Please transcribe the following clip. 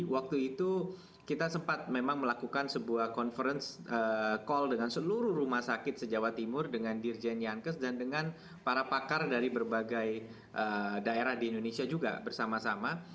waktu itu kita sempat memang melakukan sebuah conference call dengan seluruh rumah sakit se jawa timur dengan dirjen yankes dan dengan para pakar dari berbagai daerah di indonesia juga bersama sama